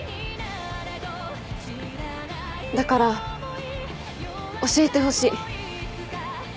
だから教えてほしい。